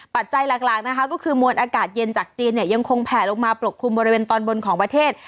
ปัจจัยหลักนะคะก็คือมวลอากาศเย็นจากจีนเนี่ยยังคงแผลลงมาปกคลุมบริเวณตอนบนของประเทศ